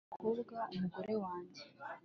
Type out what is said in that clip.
umukobwa, umugore wanjye